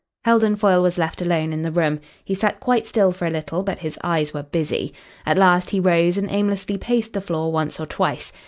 Heldon Foyle was left alone in the room. He sat quite still for a little, but his eyes were busy. At last he rose and aimlessly paced the floor once or twice.